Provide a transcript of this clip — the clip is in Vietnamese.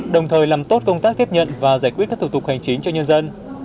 đồng thời làm tốt công tác tiếp nhận và giải quyết các thủ tục hành chính cho nhân dân